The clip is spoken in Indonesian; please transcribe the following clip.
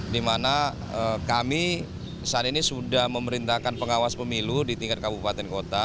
di mana kami saat ini sudah memerintahkan pengawas pemilu di tingkat kabupaten kota